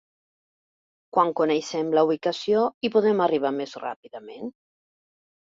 Quan coneixem la ubicació, hi podem arribar més ràpidament.